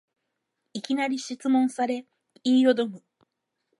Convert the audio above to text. いきなり質問され言いよどむ